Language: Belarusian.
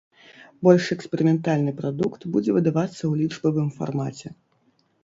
Больш эксперыментальны прадукт будзе выдавацца ў лічбавым фармаце.